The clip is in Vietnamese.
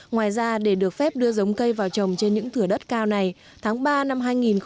ngoài ra để được phép đưa giống cây vào trồng trên những thửa đất cao này tháng ba năm hai nghìn hai mươi